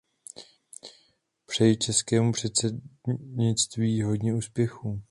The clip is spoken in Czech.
Přeji českému předsednictví hodně úspěchů.